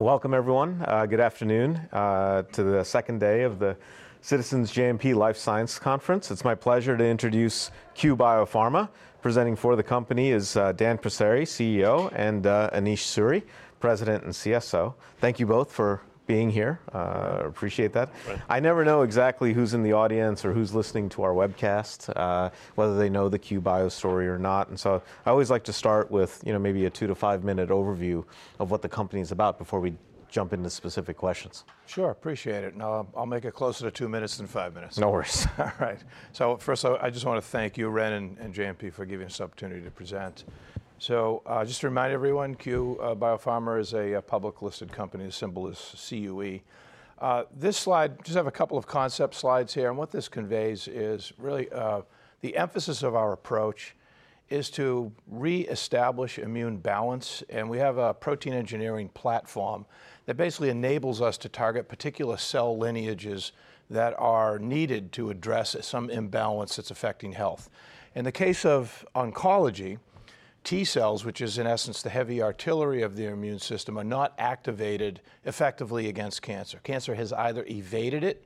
Welcome, everyone. Good afternoon, to the second day of the Citizens JMP Life Sciences Conference. It's my pleasure to introduce Cue Biopharma. Presenting for the company is Dan Passeri, CEO, and Anish Suri, President and CSO. Thank you both for being here. Appreciate that. Right. I never know exactly who's in the audience or who's listening to our webcast, whether they know the Cue Biopharma story or not. And so I always like to start with, you know, maybe a 2-5-minute overview of what the company's about before we jump into specific questions. Sure. Appreciate it. No, I'll make it closer to two minutes than five minutes. No worries. All right. So first, I just want to thank you, Wren and JMP, for giving us the opportunity to present. So, just to remind everyone, Cue Biopharma is a publicly listed company. The symbol is CUE. This slide just have a couple of concept slides here. And what this conveys is really the emphasis of our approach is to reestablish immune balance. And we have a protein engineering platform that basically enables us to target particular cell lineages that are needed to address some imbalance that's affecting health. In the case of oncology, T cells, which is in essence the heavy artillery of the immune system, are not activated effectively against cancer. Cancer has either evaded it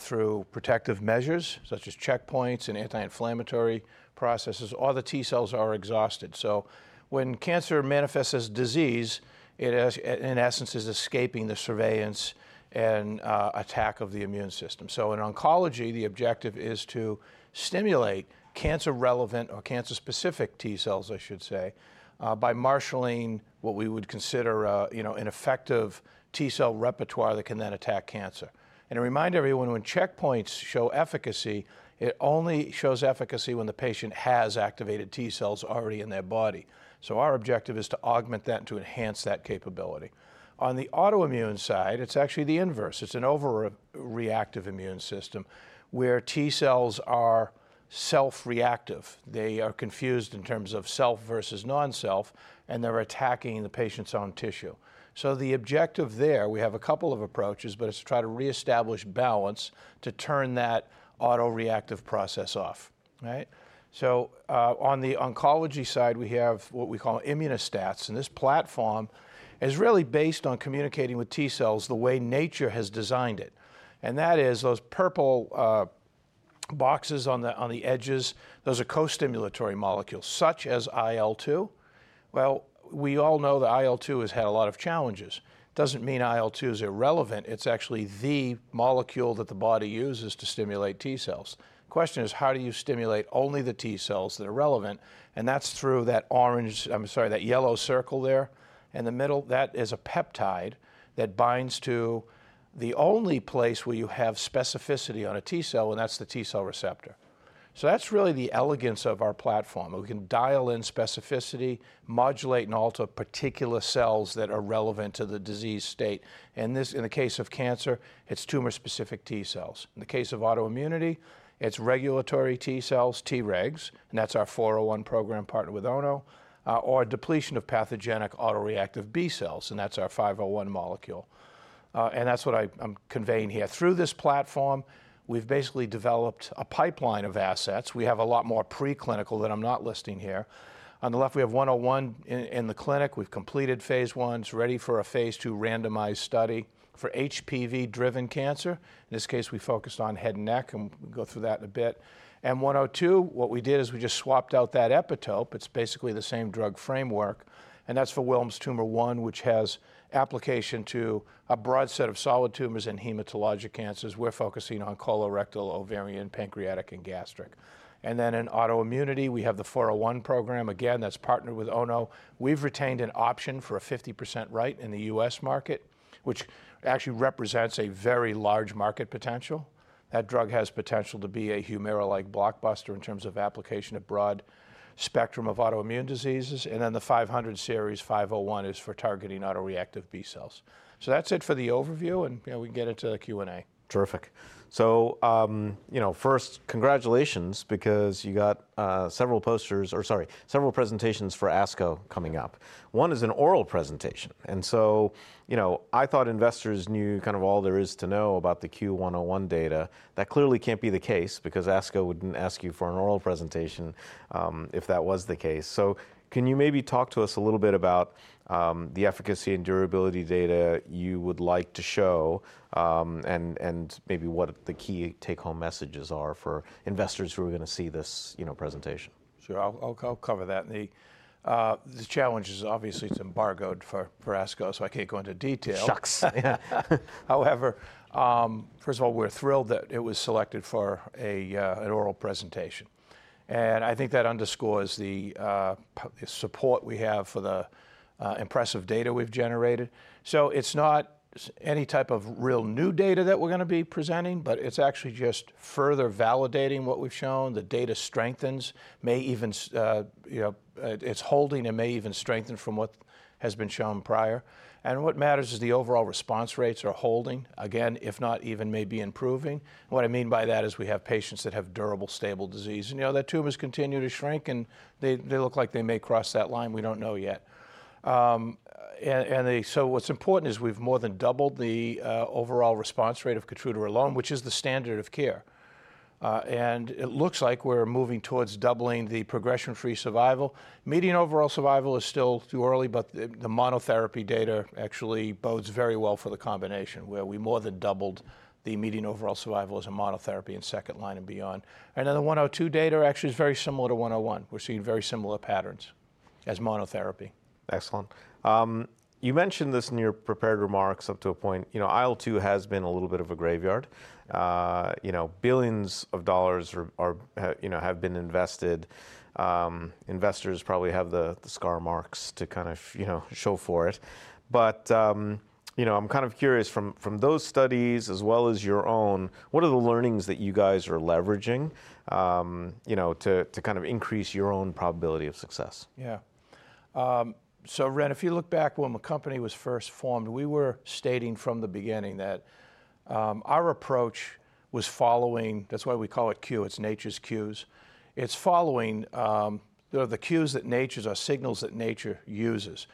through protective measures such as checkpoints and anti-inflammatory processes, or the T cells are exhausted. So when cancer manifests as disease, it in essence is escaping the surveillance and attack of the immune system. So in oncology, the objective is to stimulate cancer-relevant or cancer-specific T cells, I should say, by marshaling what we would consider, you know, an effective T cell repertoire that can then attack cancer. And to remind everyone, when checkpoints show efficacy, it only shows efficacy when the patient has activated T cells already in their body. So our objective is to augment that and to enhance that capability. On the autoimmune side, it's actually the inverse. It's an over-reactive immune system where T cells are self-reactive. They are confused in terms of self versus non-self, and they're attacking the patient's own tissue. So the objective there, we have a couple of approaches, but it's to try to reestablish balance to turn that auto-reactive process off, right? So, on the oncology side, we have what we call Immuno-STATs. This platform is really based on communicating with T cells the way nature has designed it. That is those purple boxes on the edges, those are co-stimulatory molecules such as IL-2. Well, we all know that IL-2 has had a lot of challenges. Doesn't mean IL-2 is irrelevant. It's actually the molecule that the body uses to stimulate T cells. The question is, how do you stimulate only the T cells that are relevant? That's through that orange, I'm sorry, that yellow circle there in the middle. That is a peptide that binds to the only place where you have specificity on a T cell, and that's the T cell receptor. So that's really the elegance of our platform. We can dial in specificity, modulate, and alter particular cells that are relevant to the disease state. And this, in the case of cancer, it's tumor-specific T cells. In the case of autoimmunity, it's regulatory T cells, Tregs, and that's our 401 program partner with Ono, or depletion of pathogenic auto-reactive B cells, and that's our 501 molecule. And that's what I'm conveying here. Through this platform, we've basically developed a pipeline of assets. We have a lot more preclinical that I'm not listing here. On the left, we have 101 in the clinic. We've completed phase 1. It's ready for a phase 2 randomized study for HPV-driven cancer. In this case, we focused on head and neck, and we'll go through that in a bit. And 102, what we did is we just swapped out that epitope. It's basically the same drug framework. And that's for Wilms' tumor 1, which has application to a broad set of solid tumors and hematologic cancers. We're focusing on colorectal, ovarian, pancreatic, and gastric. And then in autoimmunity, we have the 401 program. Again, that's partnered with Ono. We've retained an option for a 50% right in the U.S. market, which actually represents a very large market potential. That drug has potential to be a Humira-like blockbuster in terms of application to a broad spectrum of autoimmune diseases. And then the 500 series, 501, is for targeting auto-reactive B cells. So that's it for the overview, and, you know, we can get into the Q&A. Terrific. So, you know, first, congratulations because you got several posters or sorry, several presentations for ASCO coming up. One is an oral presentation. And so, you know, I thought investors knew kind of all there is to know about the CUE-101 data. That clearly can't be the case because ASCO wouldn't ask you for an oral presentation, if that was the case. So can you maybe talk to us a little bit about the efficacy and durability data you would like to show, and, and maybe what the key take-home messages are for investors who are going to see this, you know, presentation? Sure. I'll cover that. The challenge is obviously it's embargoed for ASCO, so I can't go into detail. Shucks. Yeah. However, first of all, we're thrilled that it was selected for an oral presentation. I think that underscores the support we have for the impressive data we've generated. It's not any type of real new data that we're going to be presenting, but it's actually just further validating what we've shown. The data strengthens, may even, you know, it's holding and may even strengthen from what has been shown prior. What matters is the overall response rates are holding. Again, if not even, may be improving. What I mean by that is we have patients that have durable, stable disease. You know, that tumor's continuing to shrink, and they look like they may cross that line. We don't know yet. And so what's important is we've more than doubled the overall response rate of Keytruda alone, which is the standard of care. And it looks like we're moving towards doubling the progression-free survival. Median overall survival is still too early, but the monotherapy data actually bodes very well for the combination where we more than doubled the median overall survival as a monotherapy in second line and beyond. And then the 102 data actually is very similar to 101. We're seeing very similar patterns as monotherapy. Excellent. You mentioned this in your prepared remarks up to a point. You know, IL-2 has been a little bit of a graveyard. You know, billions of dollars are, you know, have been invested. Investors probably have the scar marks to kind of, you know, show for it. But, you know, I'm kind of curious from those studies as well as your own, what are the learnings that you guys are leveraging, you know, to kind of increase your own probability of success? Yeah. So, Wren, if you look back when the company was first formed, we were stating from the beginning that our approach was following that's why we call it Cue. It's nature's cues. It's following, you know, the cues that nature's or signals that nature uses.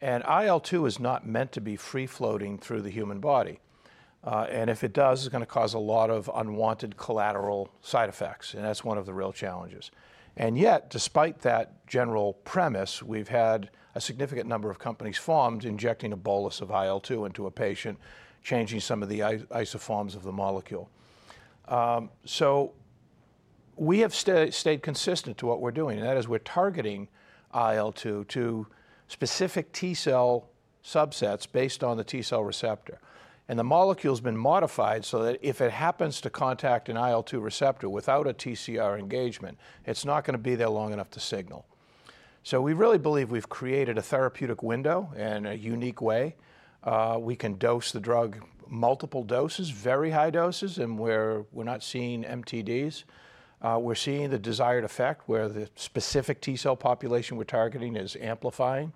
And IL-2 is not meant to be free-floating through the human body. And if it does, it's going to cause a lot of unwanted collateral side effects. And that's one of the real challenges. And yet, despite that general premise, we've had a significant number of companies formed injecting a bolus of IL-2 into a patient, changing some of the isoforms of the molecule. So we have stayed, stayed consistent to what we're doing. And that is we're targeting IL-2 to specific T cell subsets based on the T cell receptor. And the molecule's been modified so that if it happens to contact an IL-2 receptor without a TCR engagement, it's not going to be there long enough to signal. So we really believe we've created a therapeutic window in a unique way. We can dose the drug multiple doses, very high doses, and where we're not seeing MTDs. We're seeing the desired effect where the specific T cell population we're targeting is amplifying.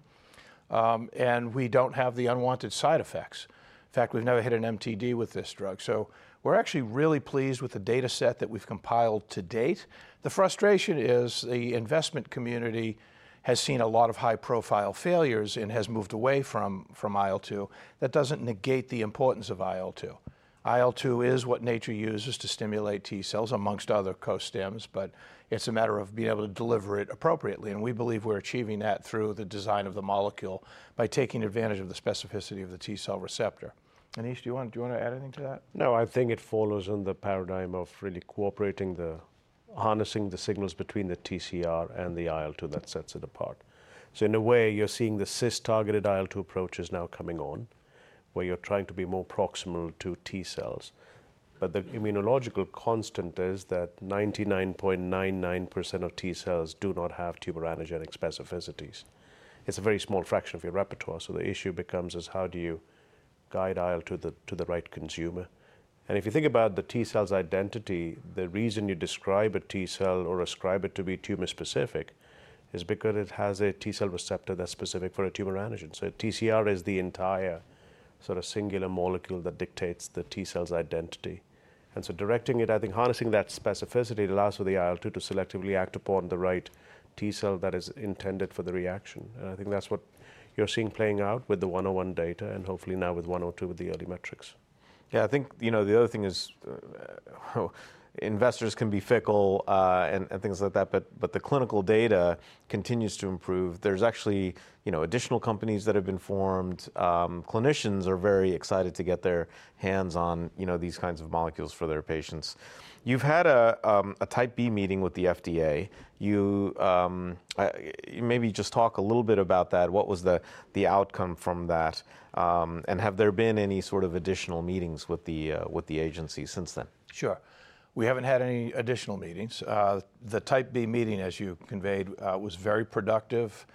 And we don't have the unwanted side effects. In fact, we've never hit an MTD with this drug. So we're actually really pleased with the data set that we've compiled to date. The frustration is the investment community has seen a lot of high-profile failures and has moved away from, from IL-2. That doesn't negate the importance of IL-2. IL-2 is what nature uses to stimulate T cells, among other co-stims, but it's a matter of being able to deliver it appropriately. We believe we're achieving that through the design of the molecule by taking advantage of the specificity of the T cell receptor. Anish, do you want to add anything to that? No, I think it follows on the paradigm of really co-opting the harnessing of the signals between the TCR and the IL-2 that sets it apart. So in a way, you're seeing the cis-targeted IL-2 approach is now coming on where you're trying to be more proximal to T cells. But the immunological constant is that 99.99% of T cells do not have tumor-antigenic specificities. It's a very small fraction of your repertoire. So the issue becomes is how do you guide IL-2 to the right consumer? And if you think about the T cell's identity, the reason you describe a T cell or ascribe it to be tumor-specific is because it has a T cell receptor that's specific for a tumor antigen. So TCR is the entire sort of singular molecule that dictates the T cell's identity. And so directing it, I think harnessing that specificity allows for the IL-2 to selectively act upon the right T cell that is intended for the reaction. And I think that's what you're seeing playing out with the 101 data and hopefully now with 102 with the early metrics. Yeah. I think, you know, the other thing is investors can be fickle, and, and things like that. But, but the clinical data continues to improve. There's actually, you know, additional companies that have been formed. Clinicians are very excited to get their hands on, you know, these kinds of molecules for their patients. You've had a, a Type B meeting with the FDA. You, maybe just talk a little bit about that. What was the, the outcome from that? And have there been any sort of additional meetings with the, with the agency since then? Sure. We haven't had any additional meetings. The Type B meeting, as you conveyed, was very productive.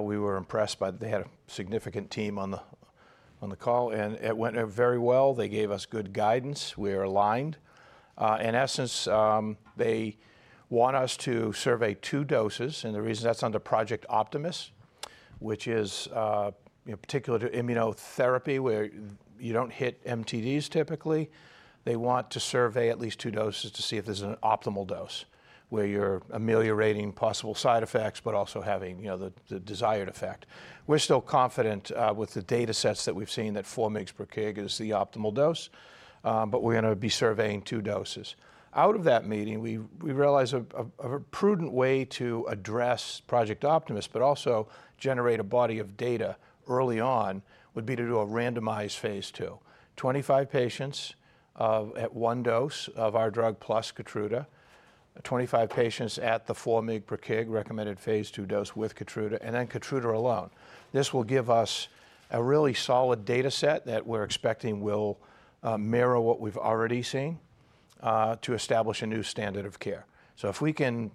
We were impressed by they had a significant team on the call, and it went very well. They gave us good guidance. We are aligned. In essence, they want us to survey two doses. And the reason that's under Project Optimus, which is, you know, particular to immunotherapy where you don't hit MTDs typically. They want to survey at least two doses to see if there's an optimal dose where you're ameliorating possible side effects but also having, you know, the desired effect. We're still confident, with the data sets that we've seen that four mgs per kg is the optimal dose. But we're going to be surveying two doses. Out of that meeting, we realized a prudent way to address Project Optimus but also generate a body of data early on would be to do a randomized phase 2. 25 patients at one dose of our drug plus Keytruda. 25 patients at the four mg per kg recommended phase 2 dose with Keytruda and then Keytruda alone. This will give us a really solid data set that we're expecting will mirror what we've already seen, to establish a new standard of care. So if we can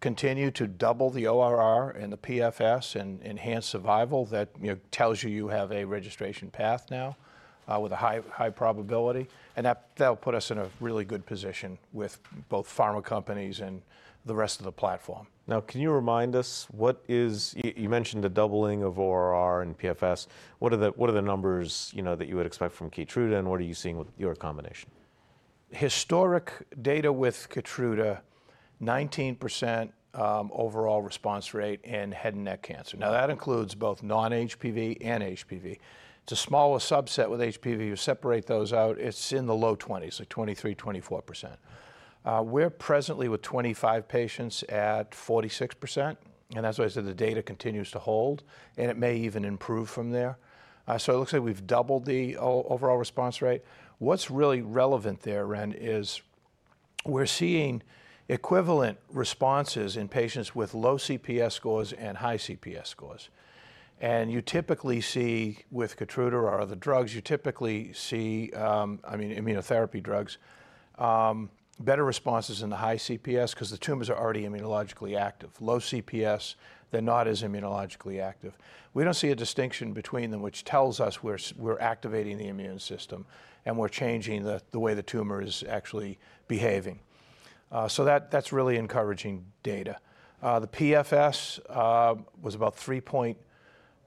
continue to double the ORR and the PFS and enhance survival, that you know tells you you have a registration path now, with a high, high probability. And that that'll put us in a really good position with both pharma companies and the rest of the platform. Now, can you remind us what it is you mentioned the doubling of ORR and PFS? What are the numbers, you know, that you would expect from Keytruda, and what are you seeing with your combination? Historical data with Keytruda, 19% overall response rate in head and neck cancer. Now, that includes both non-HPV and HPV. It's a smaller subset with HPV. You separate those out. It's in the low 20s, like 23%-24%. We're presently with 25 patients at 46%. And that's why I said the data continues to hold, and it may even improve from there. So it looks like we've doubled the overall response rate. What's really relevant there, Wren, is we're seeing equivalent responses in patients with low CPS scores and high CPS scores. And you typically see with Keytruda or other drugs, you typically see, I mean, immunotherapy drugs, better responses in the high CPS because the tumors are already immunologically active. Low CPS, they're not as immunologically active. We don't see a distinction between them, which tells us we're activating the immune system and we're changing the way the tumor is actually behaving. So that's really encouraging data. The PFS was about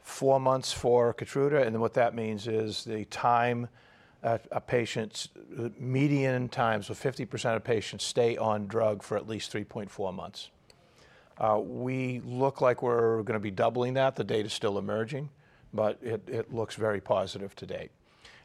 3.4 months for Keytruda. Then what that means is the time, a patient's median times with 50% of patients stay on drug for at least 3.4 months. We look like we're going to be doubling that. The data's still emerging, but it looks very positive to date.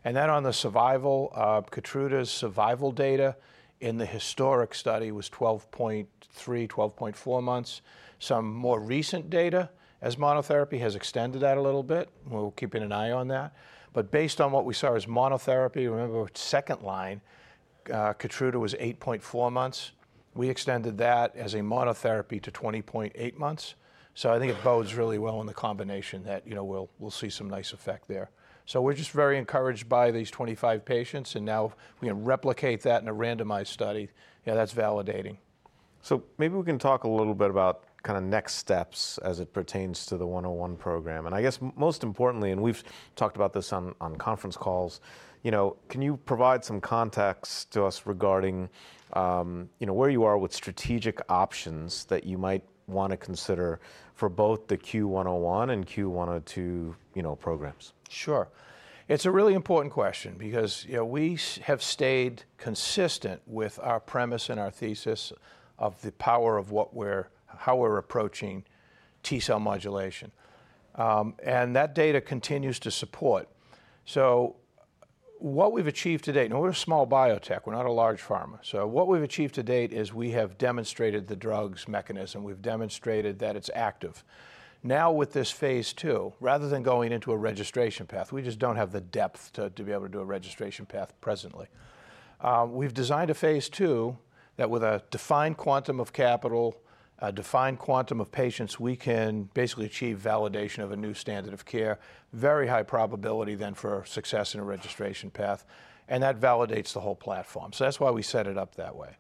Then on the survival, Keytruda's survival data in the historic study was 12.3-12.4 months. Some more recent data as monotherapy has extended that a little bit. We'll keep an eye on that. But based on what we saw as monotherapy, remember second line, Keytruda was 8.4 months. We extended that as a monotherapy to 20.8 months. So I think it bodes really well in the combination that, you know, we'll see some nice effect there. So we're just very encouraged by these 25 patients. And now we can replicate that in a randomized study. Yeah, that's validating. So maybe we can talk a little bit about kind of next steps as it pertains to the CUE-101 program. And I guess most importantly, and we've talked about this on, on conference calls, you know, can you provide some context to us regarding, you know, where you are with strategic options that you might want to consider for both the CUE-101 and CUE-102, you know, programs? Sure. It's a really important question because, you know, we have stayed consistent with our premise and our thesis of the power of what we're, how we're approaching T cell modulation. And that data continues to support. So what we've achieved to date now, we're a small biotech. We're not a large pharma. So what we've achieved to date is we have demonstrated the drug's mechanism. We've demonstrated that it's active. Now, with this phase two, rather than going into a registration path, we just don't have the depth to be able to do a registration path presently. We've designed a phase two that with a defined quantum of capital, a defined quantum of patients, we can basically achieve validation of a new standard of care, very high probability then for success in a registration path. And that validates the whole platform. So that's why we set it up that way.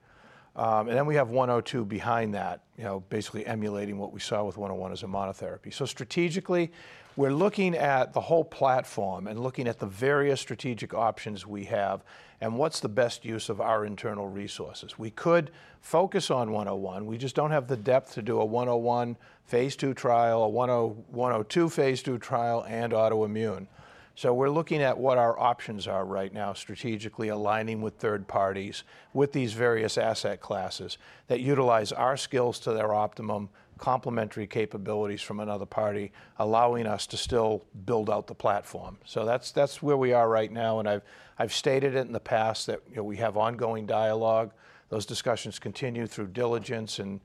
And then we have 102 behind that, you know, basically emulating what we saw with 101 as a monotherapy. So strategically, we're looking at the whole platform and looking at the various strategic options we have and what's the best use of our internal resources. We could focus on 101. We just don't have the depth to do a 101 phase 2 trial, a 10102 phase 2 trial, and autoimmune. So we're looking at what our options are right now, strategically aligning with third parties with these various asset classes that utilize our skills to their optimum, complementary capabilities from another party, allowing us to still build out the platform. So that's, that's where we are right now. And I've, I've stated it in the past that, you know, we have ongoing dialogue. Those discussions continue through diligence and,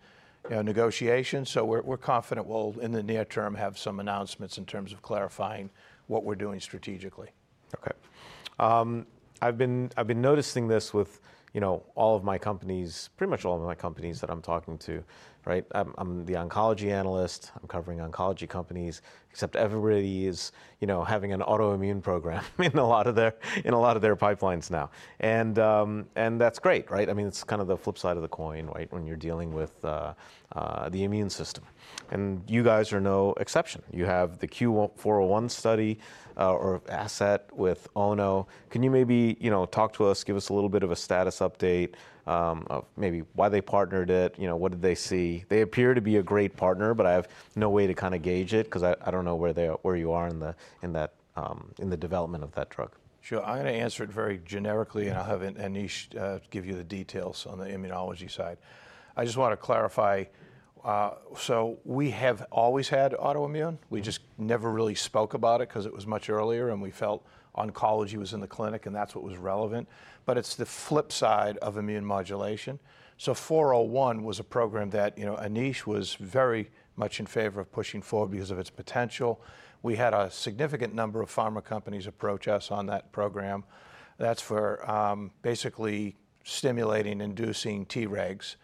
you know, negotiations. So we're confident we'll, in the near term, have some announcements in terms of clarifying what we're doing strategically. Okay. I've been noticing this with, you know, all of my companies, pretty much all of my companies that I'm talking to, right? I'm the oncology analyst. I'm covering oncology companies, except everybody is, you know, having an autoimmune program in a lot of their pipelines now. And that's great, right? I mean, it's kind of the flip side of the coin, right, when you're dealing with the immune system. And you guys are no exception. You have the CUE-401 study, or asset with Ono. Can you maybe, you know, talk to us, give us a little bit of a status update, of maybe why they partnered it? You know, what did they see? They appear to be a great partner, but I have no way to kind of gauge it because I don't know where they are, where you are in the development of that drug. Sure. I'm going to answer it very generically, and I'll have Anish give you the details on the immunology side. I just want to clarify, so we have always had autoimmune. We just never really spoke about it because it was much earlier, and we felt oncology was in the clinic, and that's what was relevant. But it's the flip side of immune modulation. So 401 was a program that, you know, Anish was very much in favor of pushing forward because of its potential. We had a significant number of pharma companies approach us on that program. That's for basically stimulating, inducing Tregs.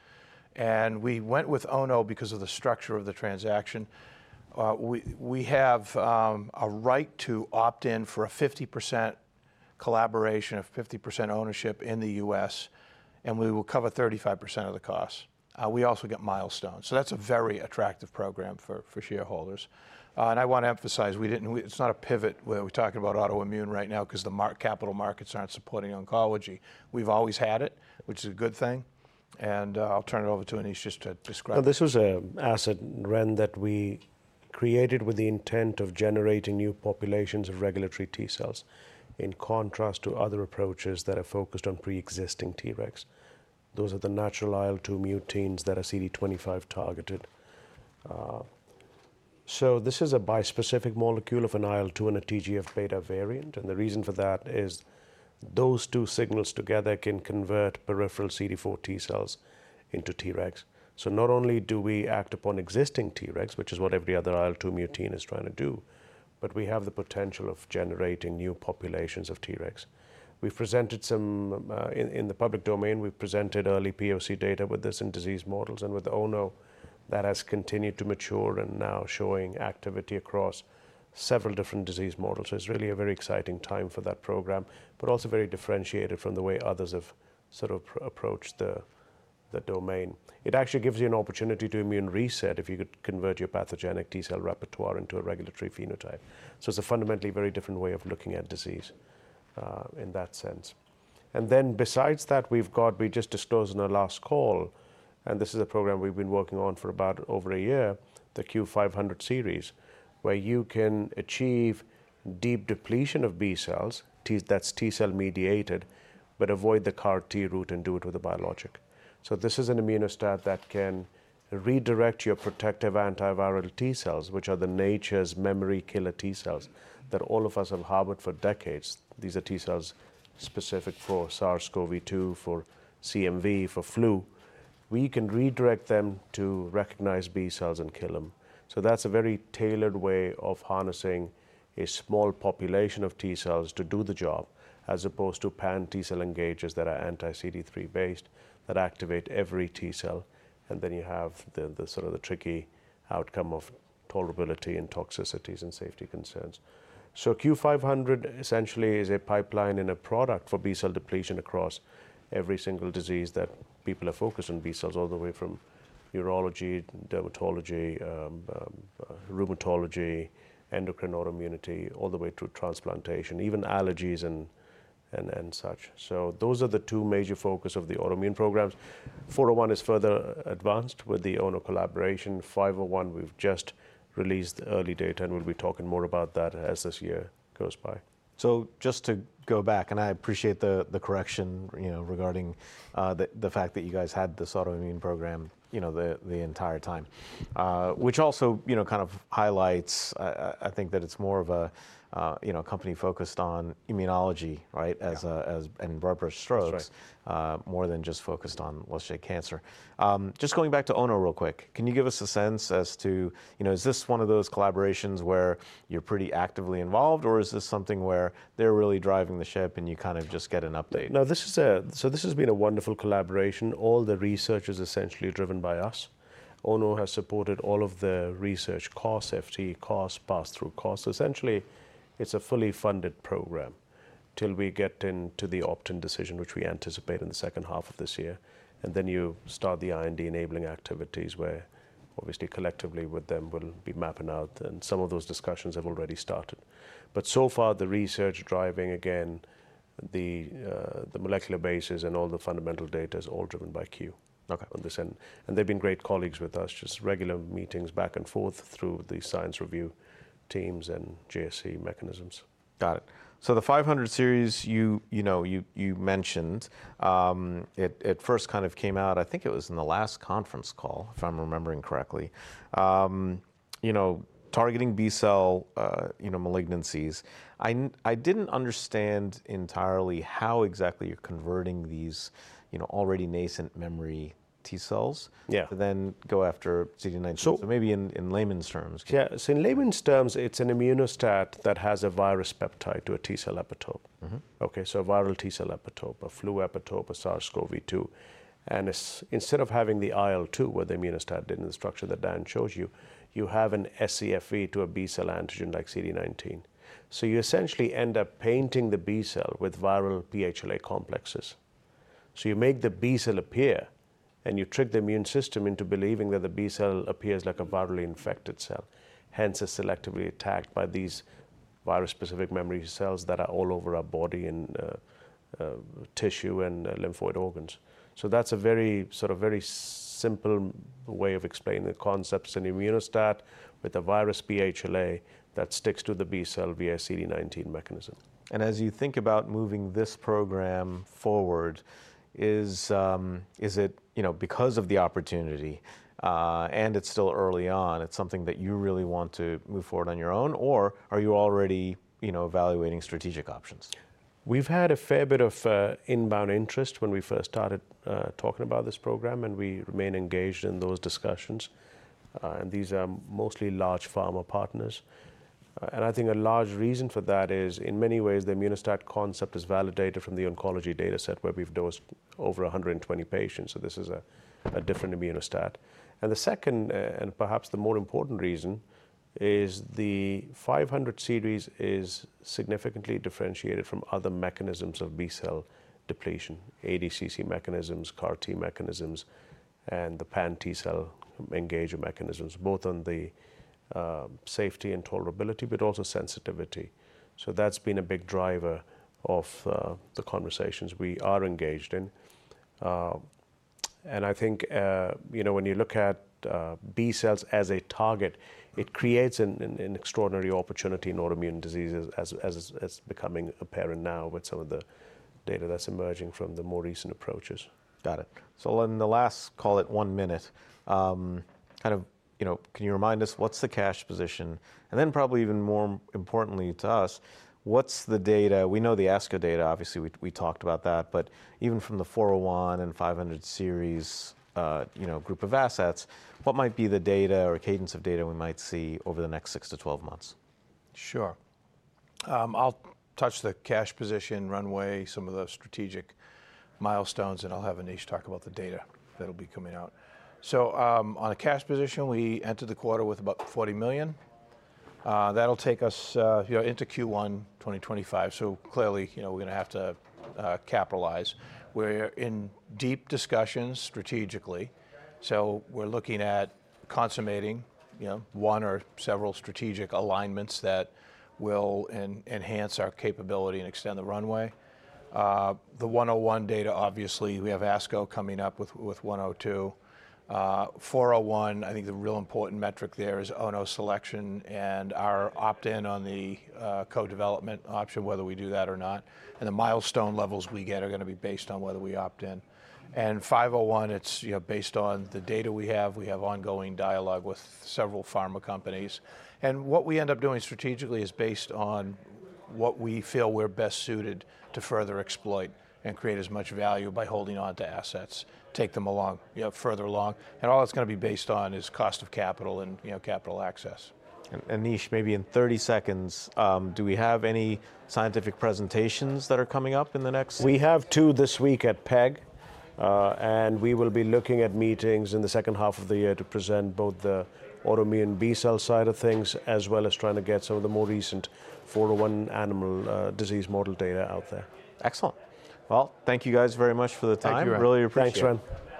And we went with Ono because of the structure of the transaction. We have a right to opt in for a 50% collaboration, a 50% ownership in the US, and we will cover 35% of the costs. We also get milestones. So that's a very attractive program for shareholders. I want to emphasize, it's not a pivot where we're talking about autoimmune right now because the capital markets aren't supporting oncology. We've always had it, which is a good thing. I'll turn it over to Anish just to describe. Now, this was an asset, Wren, that we created with the intent of generating new populations of regulatory T cells in contrast to other approaches that are focused on preexisting Tregs. Those are the natural IL-2 mutants that are CD25-targeted. So this is a bispecific molecule of an IL-2 and a TGF-beta variant. And the reason for that is those two signals together can convert peripheral CD4 T cells into Tregs. So not only do we act upon existing Tregs, which is what every other IL-2 mutant is trying to do, but we have the potential of generating new populations of Tregs. We've presented some, in the public domain, we've presented early POC data with this in disease models. And with Ono, that has continued to mature and now showing activity across several different disease models. So it's really a very exciting time for that program, but also very differentiated from the way others have sort of approached the domain. It actually gives you an opportunity to immune reset if you could convert your pathogenic T cell repertoire into a regulatory phenotype. So it's a fundamentally very different way of looking at disease, in that sense. And then besides that, we've got, we just disclosed in our last call, and this is a program we've been working on for about over a year, the CUE-500 series, where you can achieve deep depletion of B cells, that's T cell mediated, but avoid the CAR-T route and do it with a biologic. So this is an Immuno-STAT that can redirect your protective antiviral T cells, which are nature's memory killer T cells that all of us have harbored for decades. These are T cells specific for SARS-CoV-2, for CMV, for flu. We can redirect them to recognize B cells and kill them. So that's a very tailored way of harnessing a small population of T cells to do the job as opposed to pan-T cell engagers that are anti-CD3-based that activate every T cell. And then you have the sort of tricky outcome of tolerability and toxicities and safety concerns. So CUE-500 essentially is a pipeline and a product for B cell depletion across every single disease that people are focused on, B cells, all the way from urology, dermatology, rheumatology, endocrine autoimmunity, all the way through transplantation, even allergies and such. So those are the two major focuses of the autoimmune programs. CUE-401 is further advanced with the Ono collaboration. 501, we've just released early data, and we'll be talking more about that as this year goes by. So just to go back, and I appreciate the correction, you know, regarding the fact that you guys had this autoimmune program, you know, the entire time, which also, you know, kind of highlights, I think that it's more of a, you know, a company focused on immunology, right, as a broad strokes, more than just focused on, let's say, cancer. Just going back to Ono real quick, can you give us a sense as to, you know, is this one of those collaborations where you're pretty actively involved, or is this something where they're really driving the ship and you kind of just get an update? Now, this has been a wonderful collaboration. All the research is essentially driven by us. Ono has supported all of the research costs, FTE costs, pass-through costs. Essentially, it's a fully funded program till we get into the opt-in decision, which we anticipate in the second half of this year. And then you start the IND enabling activities where obviously collectively with them we'll be mapping out. And some of those discussions have already started. But so far, the research driving, again, the molecular bases and all the fundamental data is all driven by Cue. Okay. On this end. They've been great colleagues with us, just regular meetings back and forth through the science review teams and JSC mechanisms. Got it. So the 500 series, you know, you mentioned it first kind of came out, I think it was in the last conference call, if I'm remembering correctly, you know, targeting B cell, you know, malignancies. I didn't understand entirely how exactly you're converting these, you know, already nascent memory T cells. Yeah. To then go after CD19. So maybe in layman's terms. Yeah. So in layman's terms, it's an Immuno-STAT that has a virus peptide to a T cell epitope. Okay. So a viral T cell epitope, a flu epitope, a SARS-CoV-2. And it's instead of having the IL-2, where the Immuno-STAT didn't in the structure that Dan showed you, you have an scFv to a B cell antigen like CD19. So you essentially end up painting the B cell with viral pHLA complexes. So you make the B cell appear, and you trick the immune system into believing that the B cell appears like a virally infected cell, hence is selectively attacked by these virus-specific memory cells that are all over our body in tissue and lymphoid organs. So that's a very sort of very simple way of explaining the concepts in Immuno-STAT with a virus pHLA that sticks to the B cell via CD19 mechanism. As you think about moving this program forward, is it, you know, because of the opportunity, and it's still early on, it's something that you really want to move forward on your own, or are you already, you know, evaluating strategic options? We've had a fair bit of inbound interest when we first started talking about this program, and we remain engaged in those discussions. These are mostly large pharma partners. I think a large reason for that is, in many ways, the Immuno-STAT concept is validated from the oncology data set where we've dosed over 120 patients. So this is a different Immuno-STAT. The second, and perhaps the more important reason is the 500 series is significantly differentiated from other mechanisms of B-cell depletion, ADCC mechanisms, CAR-T mechanisms, and the pan-T-cell engager mechanisms, both on the safety and tolerability, but also sensitivity. So that's been a big driver of the conversations we are engaged in. I think, you know, when you look at B cells as a target, it creates an extraordinary opportunity in autoimmune diseases as it's becoming apparent now with some of the data that's emerging from the more recent approaches. Got it. So on the last, call it 1 minute, kind of, you know, can you remind us what's the cash position? And then probably even more importantly to us, what's the data? We know the ASCO data, obviously. We talked about that. But even from the 401 and 500 series, you know, group of assets, what might be the data or cadence of data we might see over the next 6-12 months? Sure. I'll touch the cash position runway, some of the strategic milestones, and I'll have Anish talk about the data that'll be coming out. So, on a cash position, we entered the quarter with about $40 million. That'll take us, you know, into Q1 2025. So clearly, you know, we're going to have to capitalize. We're in deep discussions strategically. So we're looking at consummating, you know, one or several strategic alignments that will enhance our capability and extend the runway. The 101 data, obviously, we have ASCO coming up with, with 102. 401, I think the real important metric there is Ono selection and our opt-in on the co-development option, whether we do that or not. And the milestone levels we get are going to be based on whether we opt in. And 501, it's, you know, based on the data we have. We have ongoing dialogue with several pharma companies. What we end up doing strategically is based on what we feel we're best suited to further exploit and create as much value by holding onto assets, take them along, you know, further along. All it's going to be based on is cost of capital and, you know, capital access. Anish, maybe in 30 seconds, do we have any scientific presentations that are coming up in the next? We have two this week at PEGS, and we will be looking at meetings in the second half of the year to present both the autoimmune B cell side of things as well as trying to get some of the more recent 401 animal disease model data out there. Excellent. Well, thank you guys very much for the time. Thank you, Wren. I really appreciate it. Thanks, Wren.